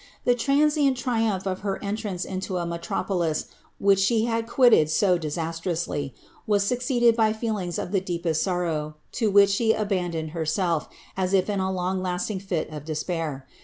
The transient triumph of her entrance into a metropolis which she had quitted so disastrously, was succeeded by feel ings of the deepest sorrow, to which she abandoned herself, as if in a long lasting fit of despair.